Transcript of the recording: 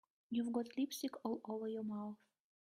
You've got lipstick all over your mouth.